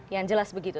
yang jelas begitu